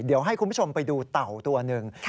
เดี๋ยวให้คุณผู้ชมไปดูเต่าตัวหนึ่ง